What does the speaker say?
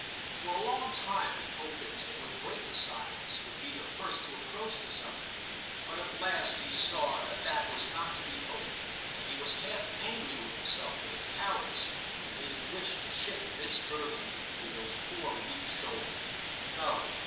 For a long time he hoped that Tim would break the silence, would be the first to approach the subject ; but at last he saw that that was not to be hoped, and he was half angry with himself for the cowardice that made him wish to shift this burthen to those poor weak shoulders. No.